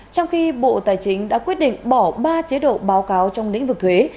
trong khi bộ tài chính đã quyết định bỏ ba chế độ báo cáo trong lĩnh vực thuế